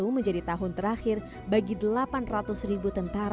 dua ribu dua puluh satu menjadi tahun terakhir bagi delapan ratus ribu tentara